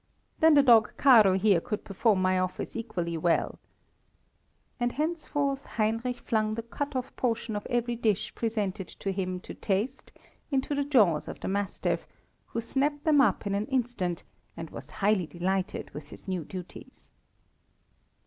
"Then the dog Caro here could perform my office equally well." And henceforth Heinrich flung the cut off portion of every dish presented to him to taste into the jaws of the mastiff, who snapped them up in an instant, and was highly delighted with his new duties.